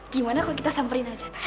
gimana kalau kita samperin aja